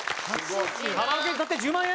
カラオケ歌って１０万円？